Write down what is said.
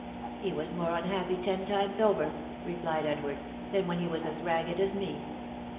" He was more unhappy ten times over," replied Edward, "than when he was as ragged as me."